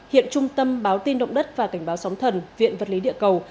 hiện trung tâm báo tin động đất và cảnh báo sóng thần viện vật lý địa cầu